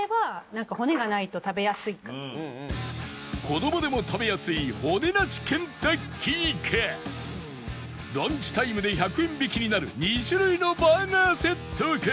子どもでも食べやすい骨なしケンタッキーかランチタイムで１００円引きになる２種類のバーガーセットか